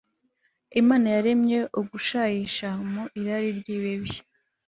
Imana yaremye Ugushayisha mu irari ryibibi